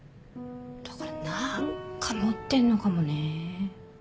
だから何か持ってんのかもね。